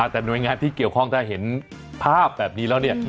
แต่หน่วยงานที่เกี่ยวข้องถ้าเห็นภาพแบบนี้แล้วเนี่ย